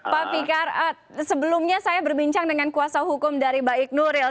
pak fikar sebelumnya saya berbincang dengan kuasa hukum dari baik nuril